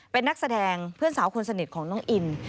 เป็นนักแสดงเพื่อนสาวคนสนิทของน้องอิน